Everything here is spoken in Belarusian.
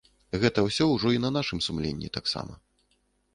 Гэта ўсё ўжо і на нашым сумленні таксама.